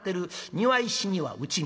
庭石には打ち水。